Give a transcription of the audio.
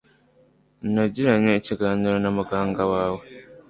Nagiranye ikiganiro na muganga wawe.